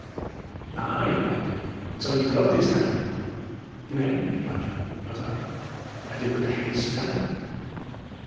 "Ay!" cried Dick, "and so ye loved this Hamley!" "Nay," replied Joanna, "not I. I did but hate Sir Daniel.